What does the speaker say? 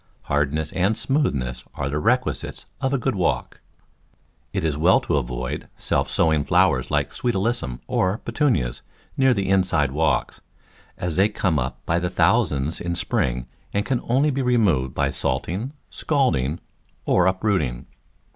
Hardness and smoothness are the requisites of a good walk. It is well to avoid self sowing flowers like Sweet Alyssum, or Petunias, near the inside walks, as they come up by thousands in the spring and can only be removed by salting, scalding or uprooting.